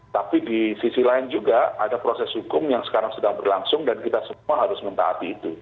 tapi di sisi lain juga ada proses hukum yang sekarang sedang berlangsung dan kita semua harus mentaati itu